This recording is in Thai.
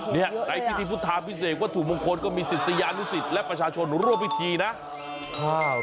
ในพิธีพุทธาพิเศษวัตถุมงคลก็มีศิษยานุสิตและประชาชนร่วมพิธีนะ